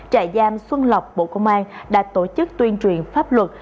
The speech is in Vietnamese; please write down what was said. trại giam xuân lọc bộ công an đã tổ chức tuyên truyền pháp luật